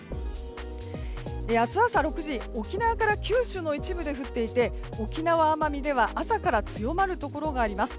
明日朝６時、沖縄から九州の一部で降っていて沖縄、奄美では朝から強まるところがあります。